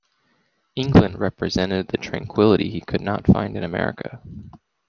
England represented the tranquillity he could not find in America.